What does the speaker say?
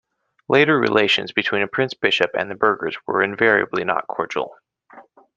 Later relations between a prince-bishop and the burghers were invariably not cordial.